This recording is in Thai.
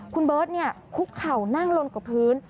คุณเบิร์ตคุกเข่านั่งลงกับพื้น